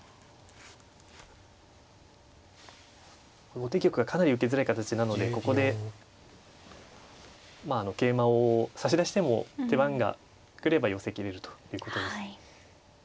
後手玉がかなり受けづらい形なのでここでまあ桂馬を差し出しても手番が来れば寄せきれるということです。